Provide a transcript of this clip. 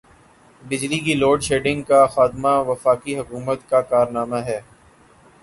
بجلی کی load shedding کا خاتمہ وفاقی حکومت کا کارنامہ ہے۔